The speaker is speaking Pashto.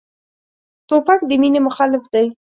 توپک د مینې مخالف دی.